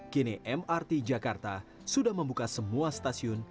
kini mrt jakarta sudah membuka semua stasiun